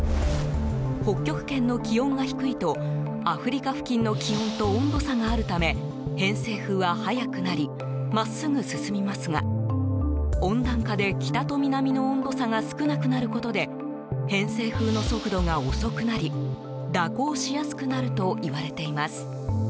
北極圏の気温が低いとアフリカ付近の気温と温度差があるため偏西風は速くなり真っすぐ進みますが温暖化で、北と南の温度差が少なくなることで偏西風の速度が遅くなり蛇行しやすくなるといわれています。